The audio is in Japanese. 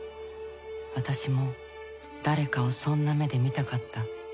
私も誰かをそんな目で見たかった。